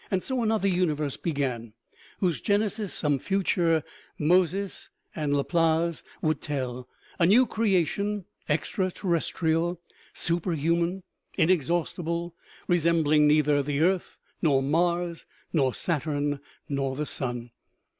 So another universe began, whose genesis some future Moses and Laplace would tell, a new creation, extra terrestrial, superhuman, inexhaustible, resembling neither the earth nor Mars, nor Saturn, nor the sun.